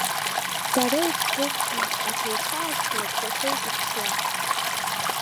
Бара егьбыхьшам, аха ишаасҳәалагь са соуп иԥсуа.